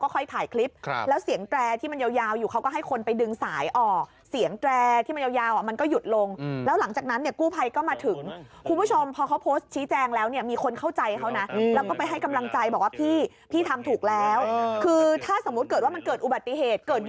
คนที่ติดอยู่ในรถน่าเสียชีวิต